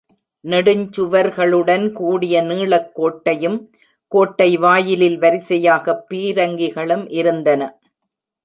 நெடுஞ்சுவர்களுடன் கூடிய நீளக் கோட்டையும், கோட்டை வாயிலில் வரிசையாக பீரங்கிகளும் இருந்தன.